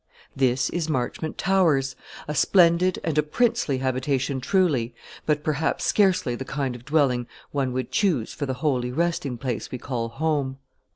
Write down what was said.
This is Marchmont Towers, a splendid and a princely habitation truly, but perhaps scarcely the kind of dwelling one would choose for the holy resting place we call home.